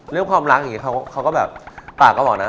เรื่องความรักอย่างนี้เขาก็แบบปากก็บอกนะ